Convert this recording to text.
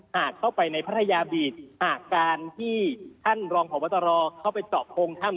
หากเข้าไปในพัทยาบีตหากการที่ท่านรองพบตรเข้าไปเจาะโพงถ้ำ